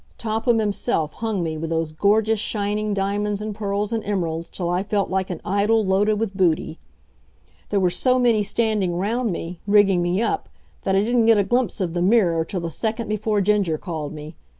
Topham, himself, hung me with those gorgeous shining diamonds and pearls and emeralds, till I felt like an idol loaded with booty. There were so many standing round me, rigging me up, that I didn't get a glimpse of the mirror till the second before Ginger called me.